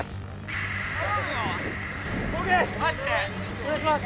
お願いします。